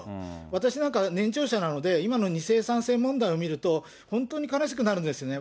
私なんかは年長者なので、今の２世、３世問題を見ると、本当に悲しくなるんですね。